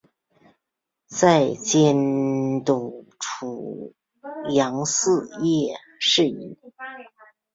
再任监督出洋肄业事宜。